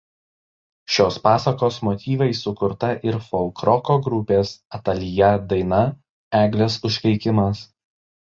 Šios pasakos motyvais sukurta ir folkroko grupės „Atalyja“ daina „Eglės užkeikimas“.